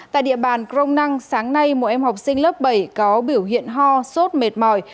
tại địa bàn grong năng sáng nay một em học sinh lớp bảy có biểu hiện ho sốt mệt mỏi